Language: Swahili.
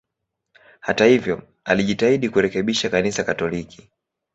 Hata hivyo, alijitahidi kurekebisha Kanisa Katoliki.